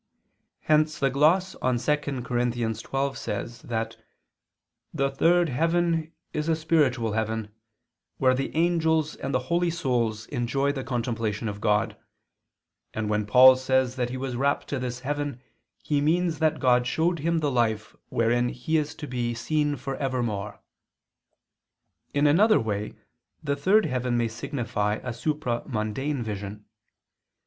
Hence the gloss on 2 Cor. 12 says that the "third heaven is a spiritual heaven, where the angels and the holy souls enjoy the contemplation of God: and when Paul says that he was rapt to this heaven he means that God showed him the life wherein He is to be seen forevermore." In another way the third heaven may signify a supra mundane vision.